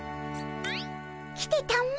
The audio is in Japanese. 来てたも。